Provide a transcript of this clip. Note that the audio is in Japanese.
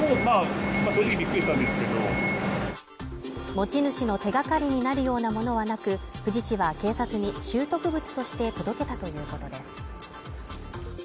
持ち主の手がかりになるようなものはなく富士市は警察に拾得物として届けたということです